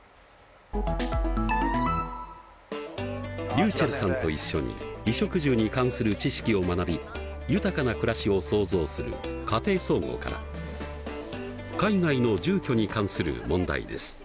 りゅうちぇるさんと一緒に衣食住に関する知識を学び豊かな暮らしを創造する「家庭総合」から海外の住居に関する問題です。